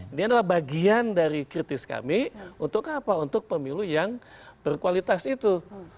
ini adalah bagian dari kritis kami untuk apa untuk pemilu yang berkualitas itu